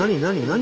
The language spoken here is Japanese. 何？